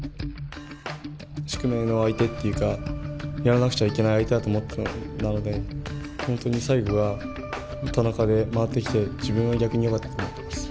宿命の相手っていうかやらなくちゃいけない相手だと思っていたのでなので本当に最後は田中で回ってきて自分は逆によかったと思っています。